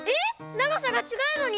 ながさがちがうのに？